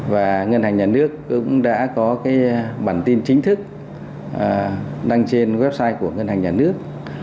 và ngân hàng nhà nước cũng đã có cái bản tin chính thức đăng trên website của ngân hàng nhà nước